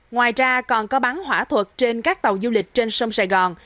ngoài ra còn có bắn hỏa thuật trên các tàu du lịch trên sông sài gòn